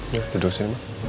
nah duduk sini ma